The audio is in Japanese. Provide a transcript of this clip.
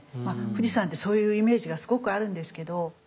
まあ富士山ってそういうイメージがすごくあるんですけど。